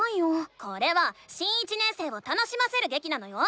これは新１年生を楽しませるげきなのよ！